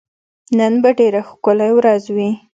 نن به ډېره ښکلی ورځ وي